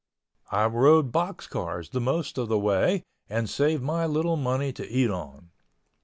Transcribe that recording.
I rode box cars the most of the way and saved my little money to eat on.